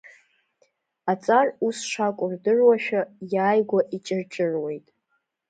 Аҵар ус шакәу рдыруашәа, иааигәа иҷырҷыруеит.